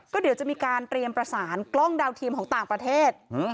ก็เดี๋ยวจะมีการเตรียมประสานกล้องดาวเทียมของต่างประเทศ